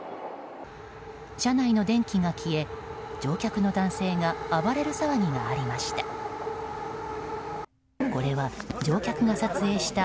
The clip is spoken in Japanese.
車内の電気が消え乗客の男性が暴れる騒ぎがありました。